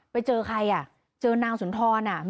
ไปเจอใครอ่ะเจอนางสุนทรอ่ะ